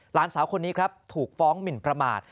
หลานสาวคนนี้ครับถูกฟ้องหมินประมาท